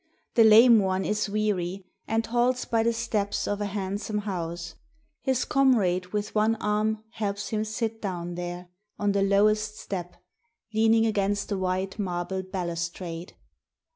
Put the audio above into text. The lame one is weary, and halts by the steps of a handsome house; his comrade with one arm helps him sit down there, on the lowest step, leaning against the white marble balustrade.